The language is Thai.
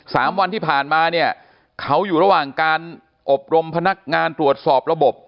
สามวันที่ผ่านมาเนี่ยเขาอยู่ระหว่างการอบรมพนักงานตรวจสอบระบบ